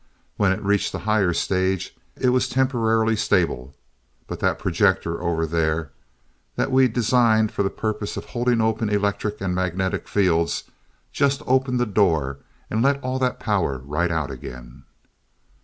When it reached the higher stage, it was temporarily stable but that projector over there that we designed for the purpose of holding open electric and magnetic fields just opened the door and let all that power right out again."